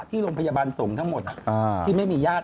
นี่คือไอธุปีเลน